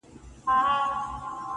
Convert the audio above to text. را ژوندی سوی يم، اساس يمه احساس يمه.